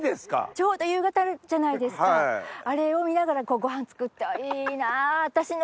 ちょうど夕方じゃないですかあれを見ながらごはん作っていいな。